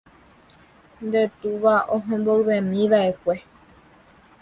nde túva oho mboyvemiva'ekue.